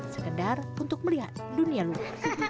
sekedar untuk melihat dunia luar